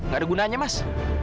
gak ada gunanya mas